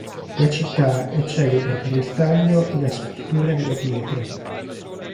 La città è celebre per il taglio e la scultura della pietra.